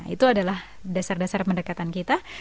itu adalah dasar dasar pendekatan kita